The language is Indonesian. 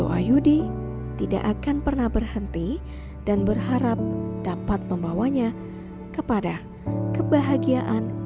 doa yudi tidak akan pernah berhenti dan berharap dapat membawanya kepada kebahagiaan yang sejati